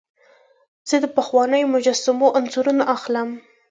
زه د پخوانیو مجسمو انځورونه اخلم.